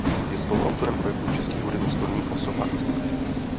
Je spoluautorem projektu "Český hudební slovník osob a institucí".